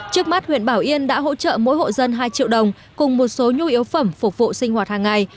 trước mắt huyện bảo yên đã hỗ trợ mỗi hộ dân hai triệu đồng cùng một số nhu yếu phẩm phục vụ sinh hoạt hàng ngày